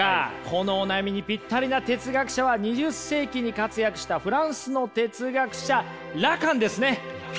このお悩みにぴったりな哲学者は２０世紀に活躍したフランスの哲学者ラカンですね。